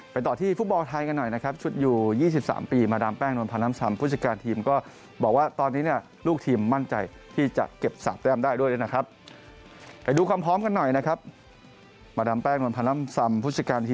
ไปต่อที่ฟุตบอลไทยกันหน่อยนะครับชุดอยู่ยี่สิบสามปี